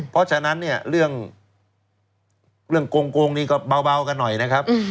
เพราะฉะนั้นเนี่ยเรื่องโกงนี่ก็เบากันหน่อยนะครับ